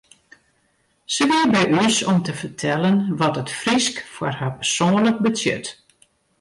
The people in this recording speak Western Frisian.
Se wie by ús om te fertellen wat it Frysk foar har persoanlik betsjut.